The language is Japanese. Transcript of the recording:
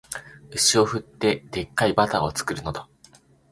牛を振って、デッカいバターを作るのだ